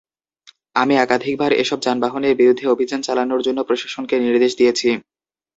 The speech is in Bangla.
আমি একাধিকবার এসব যানবাহনের বিরুদ্ধে অভিযান চালানোর জন্য প্রশাসনকে নির্দেশ দিয়েছি।